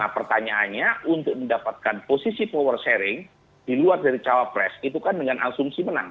nah pertanyaannya untuk mendapatkan posisi power sharing di luar dari cawapres itu kan dengan asumsi menang